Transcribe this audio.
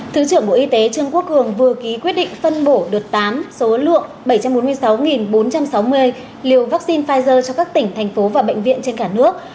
thứ trưởng bộ y tế trương quốc cường vừa ký quyết định phân bổ đợt tám số lượng bảy trăm bốn mươi sáu bốn trăm sáu mươi liều vaccine pfizer cho các tỉnh thành phố và bệnh viện trên cả nước